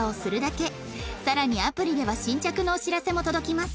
さらにアプリでは新着のお知らせも届きます